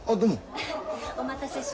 フフッお待たせしました。